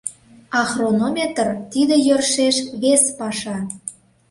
А хронометр — тиде йӧршеш вес паша.